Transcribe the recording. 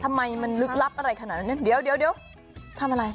ทำไมมันลึกลับอะไรขนาดนั้นเนี่ยเดี๋ยวทำอะไร